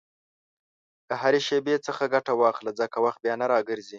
د هرې شېبې څخه ګټه واخله، ځکه وخت بیا نه راګرځي.